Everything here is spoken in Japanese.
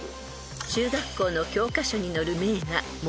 ［中学校の教科書に載る］